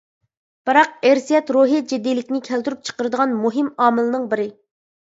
بىراق، ئىرسىيەت روھىي جىددىيلىكنى كەلتۈرۈپ چىقىرىدىغان مۇھىم ئامىلنىڭ بىرى.